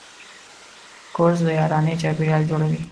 کورس د یارانې چاپېریال جوړوي.